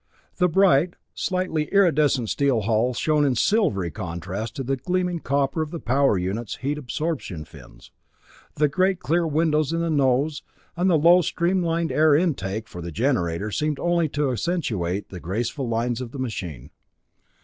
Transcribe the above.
The bright, slightly iridescent steel hull shone in silvery contrast to the gleaming copper of the power units' heat absorption fins. The great clear windows in the nose and the low, streamlined air intake for the generator seemed only to accentuate the graceful lines of the machine.